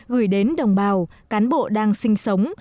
gửi đến đồng bào cán bộ đang sinh sống